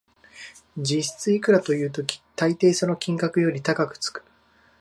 実質いくらという時、たいていその金額より高くつく